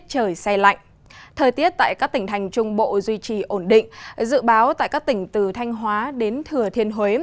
thời tiết tại các tỉnh thành trung bộ duy trì ổn định dự báo tại các tỉnh từ thanh hóa đến thừa thiên huế